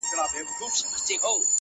قاضي و ویل سړي ته نه شرمېږي,